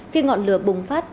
khi ngọn lửa bùng phát